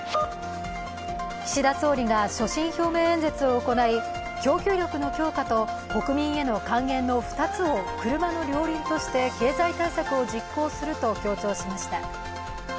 岸田総理が所信表明演説を行い供給力の強化と国民への還元の２つを車の両輪として経済対策を実行すると強調しました。